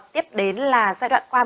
tiếp đến là giai đoạn qua bốn mươi năm tuổi